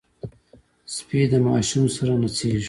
سپي د ماشوم سره نڅېږي.